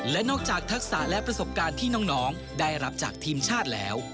และนอกจากทักษะและประสบการณ์ที่น้องได้รับจากทีมชาติแล้ว